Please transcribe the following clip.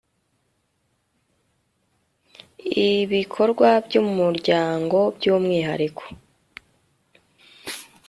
ibikorwa by umuryango byumwihariko